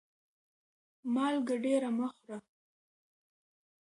مالګه ډيره مه خوره